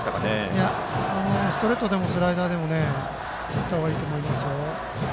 いや、ストレートでもスライダーでも振った方がいいと思います。